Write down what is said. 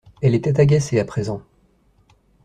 Elle était agacée à présent.